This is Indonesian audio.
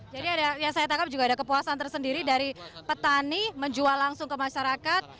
jadi saya tangkap juga ada kepuasan tersendiri dari petani menjual langsung ke masyarakat